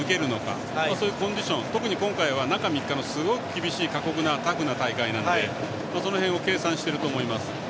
そういうコンディション中３日のすごくタフな大会なのでその辺は計算していると思います。